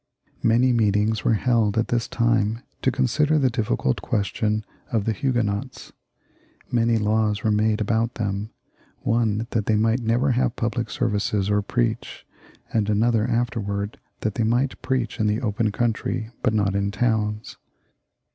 Many meetings were held at this time to consider the difficult question of the Huguenots ; many laws were made about them ; one that they might never have public services or preach, and another afterwards that they might preach in the open country, but not in towns.